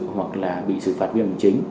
hoặc là bị xử phạt viên hình chính